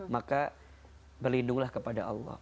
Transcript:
maka berlindunglah kepada allah